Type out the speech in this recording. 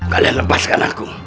kalian lepaskan aku